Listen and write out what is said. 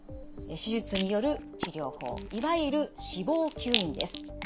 手術による治療法いわゆる脂肪吸引です。